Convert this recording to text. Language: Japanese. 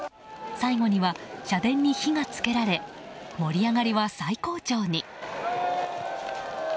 最後には社殿に火が付けられ盛り上がりは最高潮に。